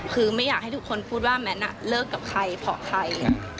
คือไม่อยากให้ทุกคนพูดว่าแมทเลิกกับใครเพราะใคร